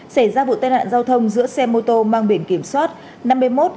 xảy ra vụ tân nạn giao thông giữa xe mô tô mang biển kiểm soát